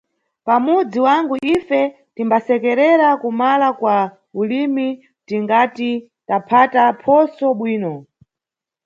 Pamudzi wangu ife timbasekerera kumala kwa ulimi tingati taphata phoso bwino.